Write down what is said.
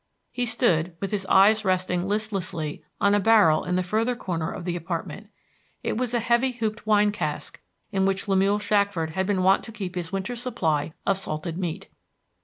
He stood with his eyes resting listlessly on a barrel in the further corner of the apartment. It was a heavy hooped wine cask, in which Lemuel Shackford had been wont to keep his winter's supply of salted meat.